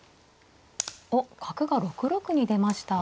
おっ角が６六に出ました。